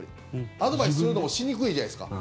アドバイスするのもしにくいじゃないですか。